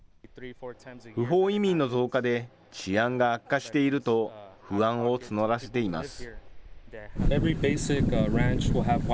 不法移民の増加で治安が悪化していると不安を募らせています。